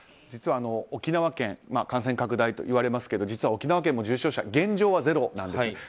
沖縄県感染拡大といわれますけど実は沖縄県も重症者、現状はゼロなんです。